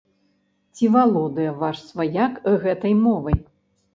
Ці валодае ваш сваяк гэтай мовай?